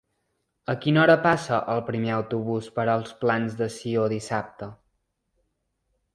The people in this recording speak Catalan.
A quina hora passa el primer autobús per els Plans de Sió dissabte?